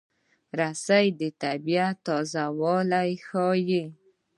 رس د طبیعت تازهوالی ښيي